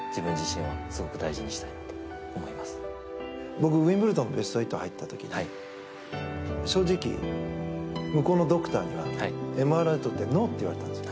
僕、ウィンブルドンベスト８に入った時に正直、向こうのドクターにはＭＲＩとってノーって言われたんですよ。